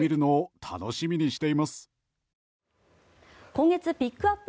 今月ピックアップ